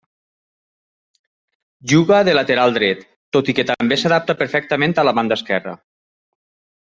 Juga de lateral dret, tot i que també s'adapta perfectament a la banda esquerra.